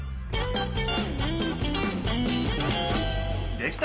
できた！